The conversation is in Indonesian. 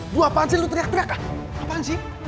bu apaan sih lu teriak dua apaan sih